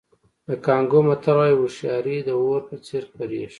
د کانګو متل وایي هوښیاري د اور په څېر خپرېږي.